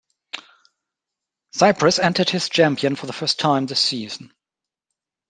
Cyprus entered its champion for the first time this season.